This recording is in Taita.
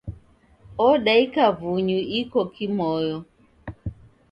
Odaika vunyu iko kimoyo.